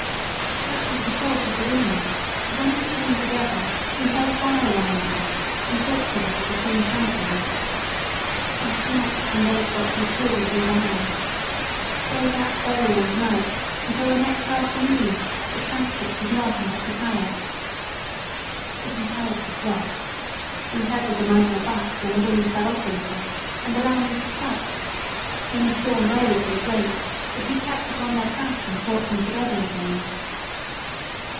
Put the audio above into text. ''Such was the force of the wind that when we came together we held by one another and talked a little between pantings. We snatched and ate what we could as we ran. All that day and night until the next afternoon the camp kit was not out of the cayaques. But we held the flock. We herded them under a butte when the wind fell off a little, and the lambs sucked; when the storm rose they broke, but we kept upon their track and brought them together again.